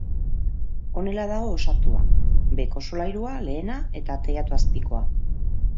Honela dago osatua: beheko solairua, lehena eta teilatu azpikoa.